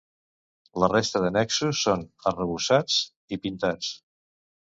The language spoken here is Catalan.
La resta d'annexos són arrebossats i pintats.